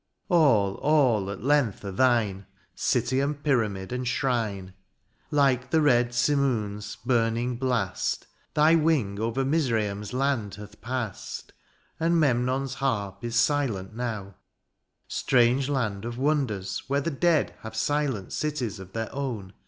All, all, at length are thine. City, and pyramid, and shrine ! 6 DIONYSIUS, Like the red simoon^s burning blasts Thy wing o^er Mizraim^s land hath passed^ And Memnon^s harp is silent now :— {b) Strange land of wonders where the dead Have silent cities of their own.